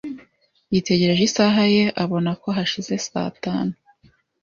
Yitegereje isaha ye abona ko hashize saa tanu.